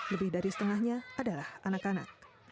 lebih dari setengahnya adalah anak anak